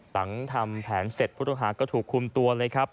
หลังทำแผนเสร็จผู้ต้องหาก็ถูกคุมตัวเลยครับ